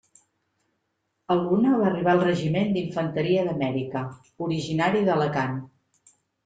A l'una va arribar el Regiment d'Infanteria d'Amèrica, originari d'Alacant.